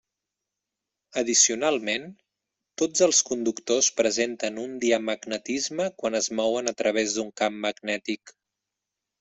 Addicionalment, tots els conductors presenten un diamagnetisme quan es mouen a través d'un camp magnètic.